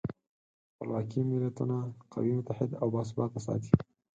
خپلواکي ملتونه قوي، متحد او باثباته ساتي.